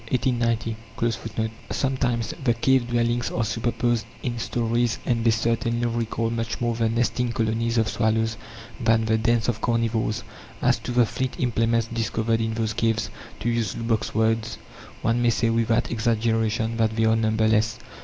(4) Sometimes the cave dwellings are superposed in storeys, and they certainly recall much more the nesting colonies of swallows than the dens of carnivores. As to the flint implements discovered in those caves, to use Lubbock's words, "one may say without exaggeration that they are numberless."